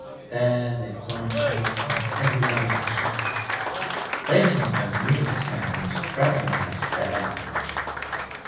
There they branch out in every direction. They sometimes meet, and fraternize there.